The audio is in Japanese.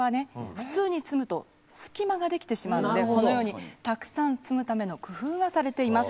普通に積むと隙間ができてしまうのでこのようにたくさん積むための工夫がされています。